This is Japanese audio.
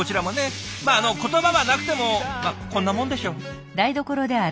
まあ言葉はなくてもこんなもんでしょう。